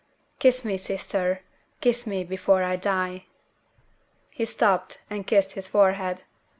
Kiss me, sister, kiss me before I die!" She stooped and kissed his forehead.